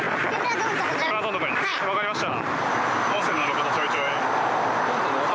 わかりました。